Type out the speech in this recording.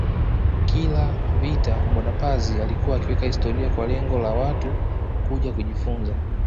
Kila vita bwana Pazi alikuwa akiweka historia kwa lengo la Watu kuja kujifunza